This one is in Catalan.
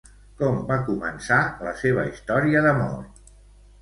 Com va començar la seva història d'amor?